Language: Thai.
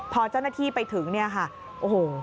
พอเจ้าหน้าที่ไปถึงโอ้โห